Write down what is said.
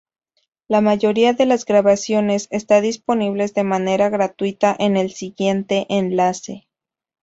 La mayoría de las grabaciones están disponibles de manera gratuita en el siguiente enlace.